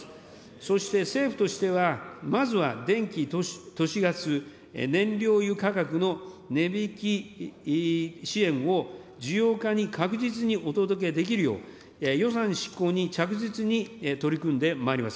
そして政府としては、まずは電気、都市ガス、燃料油価格の値引き支援を、事業家に確実にお届けできるよう、予算執行に着実に取り組んでまいります。